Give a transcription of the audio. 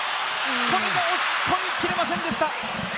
押し込みきれませんでした。